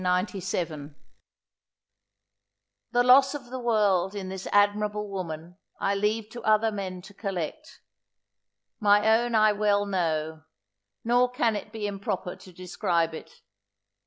|++The loss of the world in this admirable woman, I leave to other men to collect; my own I well know, nor can it be improper to describe it.